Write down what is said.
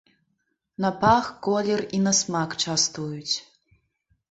На пах, колер і на смак частуюць.